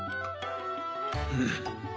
うん。